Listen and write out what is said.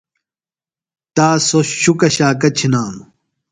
تا سوۡ شُکہ شاکہ چِھنانوۡ۔